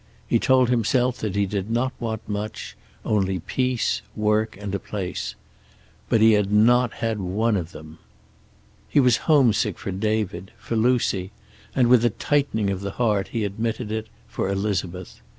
He told himself that he did not want much. Only peace, work and a place. But he had not one of them. He was homesick for David, for Lucy, and, with a tightening of the heart he admitted it, for Elizabeth.